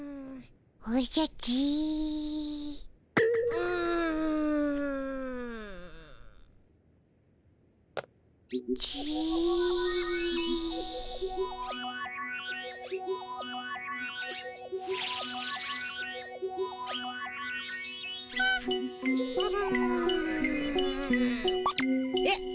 うん。えっ？